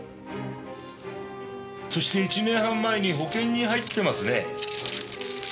そして１年半前に保険に入ってますね。